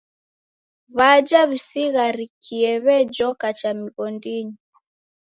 W'aja w'isigharikie w'ejoka cha mighondinyi.